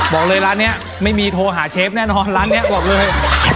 บอกเลยร้านนี้ไม่มีโทรหาเชฟแน่นอนร้านนี้บอกเลย